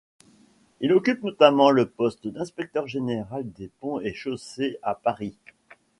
Il occupe notamment le poste d'inspecteur général des ponts et chaussées à Paris.